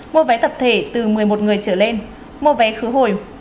mua vé tập thể từ một mươi một người trở lên mua vé khứ hồi